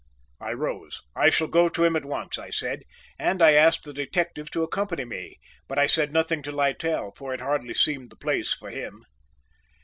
I rose. "I shall go to him at once," I said, and I asked the detective to accompany me, but I said nothing to Littell, for it hardly seemed the place for him.